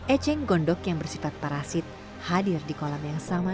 eceng gondok yang bersifat parasit hadir di kolam yang sama